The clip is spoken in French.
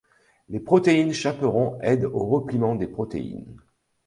Les protéines chaperons aident au repliement des protéines.